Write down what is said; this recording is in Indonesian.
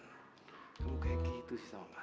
semoga yang gitu sih sama mas